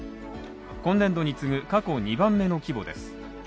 今年度に次ぐ過去２番目の規模です。